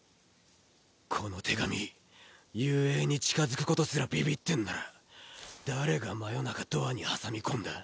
この手紙雄英に近づくことすらビビッてんなら誰が真夜中ドアに挟みこんだ？